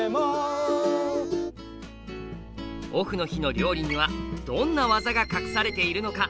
オフの日の料理にはどんな「技」が隠されているのか？